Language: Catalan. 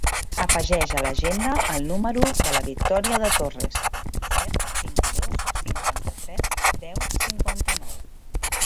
Afegeix a l'agenda el número de la Victòria De Torres: set, vint-i-dos, cinquanta-tres, deu, cinquanta-nou.